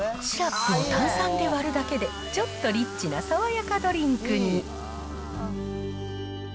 シラップを炭酸で割るだけで、ちょっとリッチな爽やかドリンクに。